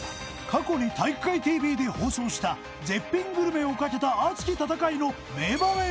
過去に体育会ＴＶで放送した絶品グルメをかけた熱き戦いの名場面